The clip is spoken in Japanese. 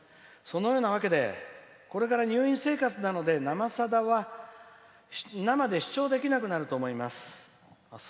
そのような訳でこれから入院生活なので「生さだ」は生で視聴できなくなると思います。